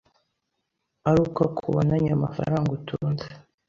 aruko akubonanye amafaranga utunze